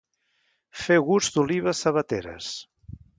Fer gust d'olives sabateres.